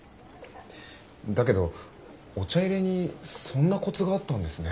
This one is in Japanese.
だけどお茶いれにそんなコツがあったんですね。